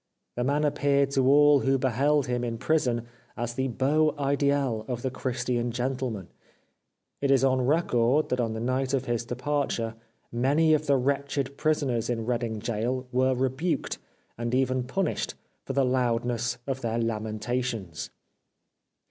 The man appeared to all who beheld him in prison as the beau ideal of the Christian gentle man. It is on record that on the night of his departure many of the wretched prisoners in Reading Gaol were rebuked and even punished for the loudness of their lamentations.